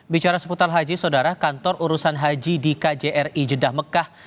bicara seputar haji saudara kantor urusan haji di kjri jeddah mekah